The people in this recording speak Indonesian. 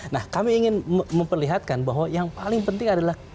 nah kami ingin memperlihatkan bahwa yang paling penting adalah